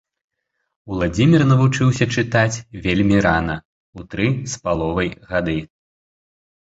Уладзімір навучыўся чытаць вельмі рана, у тры з паловай гады